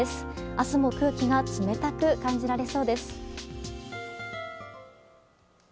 明日も空気が冷たく感じられそうです。